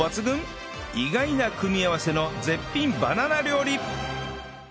意外な組み合わせの絶品バナナ料理！